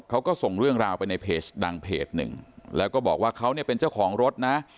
เขาก็ส่งเรื่องราวไปในเพจดังเพจหนึ่งแล้วก็บอกว่าเขาเนี่ยเป็นเจ้าของรถนะ